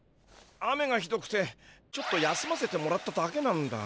雨がひどくてちょっと休ませてもらっただけなんだ。